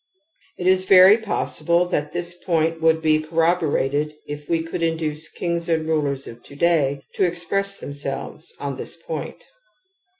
It is very possible that this point would be corroborated if we could induce kings and rulers of to day to express themselves on this point.